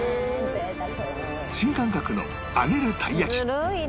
新感覚の揚げるたい焼き